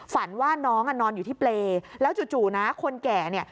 ฝันว่าน้องอ่ะนอนอยู่ที่เปรย์แล้วจู่นะคนแก่เนี่ย